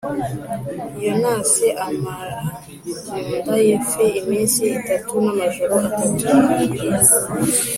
yonasi amara mu nda y’ifi iminsi itatu n’amajoro atatu.